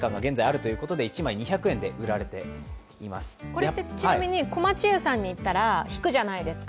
これって、ちなみに、小町湯さんに行ったら、引くじゃないですか。